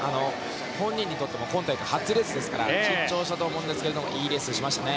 本人にとっても今大会初レースですから緊張したと思いますがいいレースをしましたね。